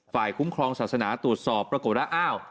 คุ้มครองศาสนาตรวจสอบปรากฏว่าอ้าว